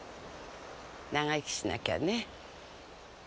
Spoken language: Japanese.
長生きしなきゃね。